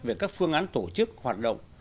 về các phương án tổ chức hoạt động